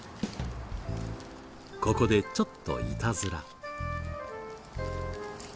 ここでちょっといたずら。